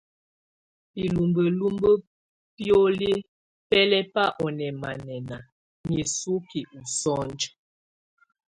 Bilúmbə́lumbə bioli bɛ lɛba ɔ nɛmanɛna nisuki ɔ sunj.